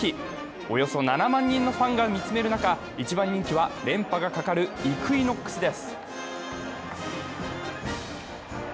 およそ７万人のファンが見つめる中、１番人気は連覇がかかるイクイノックスです。